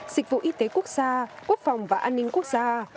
dịch vụ y tế quốc gia quốc phòng và an ninh quốc gia